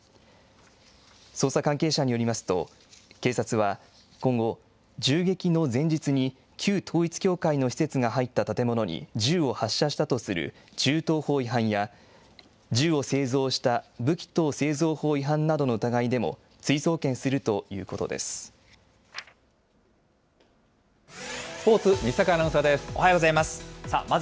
捜査関係者によりますと、警察は、今後、銃撃の前日に、旧統一教会の施設が入った建物に銃を発射したとする銃刀法違反や、銃を製造した武器等製造法違反などの疑いでも追送検するというこスポーツ、おはようございます。